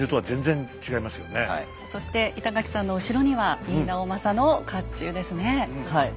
そして板垣さんの後ろには井伊直政の甲冑ですね。